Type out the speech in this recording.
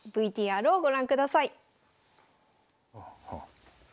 ＶＴＲをご覧ください。